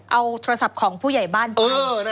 เอาโทรศัพท์ของผู้ใหญ่บ้านไป